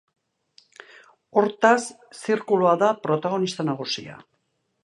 Hortaz, zirkulua da protagonista nagusia.